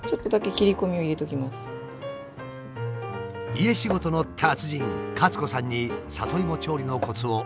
家仕事の達人カツ子さんに里芋調理のコツを教わります。